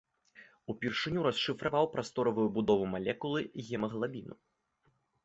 Упершыню расшыфраваў прасторавую будову малекулы гемаглабіну.